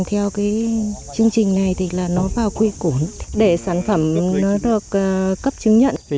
theo cái chương trình này thì là nó vào quy củ để sản phẩm nó được cấp chứng nhận